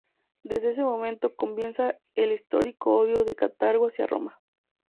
Desde ese momento comienza el histórico odio de Cartago hacia Roma.